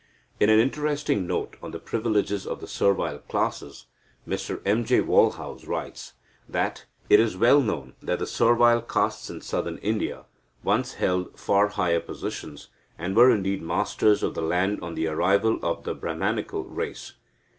In an interesting note on the privileges of the servile classes, Mr M. J. Walhouse writes that "it is well known that the servile castes in Southern India once held far higher positions, and were indeed masters of the land on the arrival of the Brahmanical race.